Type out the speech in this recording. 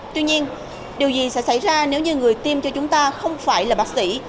tuy nhiên điều gì sẽ xảy ra nếu như người tiêm cho chúng ta không phải là bác sĩ